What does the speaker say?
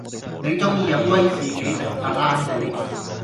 你鐘意飲威士忌定白蘭地？